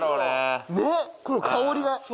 ねっこの香りが。